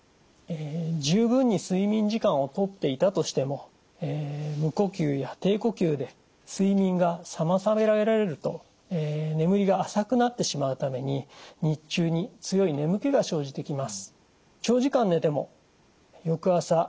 十分に睡眠時間をとっていたとしても無呼吸や低呼吸で睡眠が妨げられると眠りが浅くなってしまうために日中に強い眠気が生じてきます。